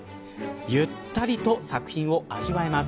ゆったりと作品を味わえます。